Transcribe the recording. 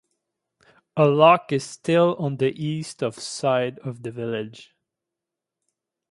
A lock is still on the east of side of the village.